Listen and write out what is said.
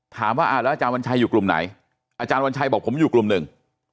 ถามว่าแล้วอาจารย์วันชัยอยู่กลุ่มไหนอาจารย์วัญชัยบอกผมอยู่กลุ่มหนึ่ง